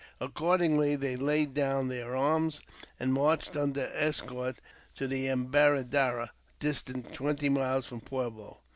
Accordingly, they laid down their arms, and marched under escort to the Embaradara, distant twenty miles from Pueblo.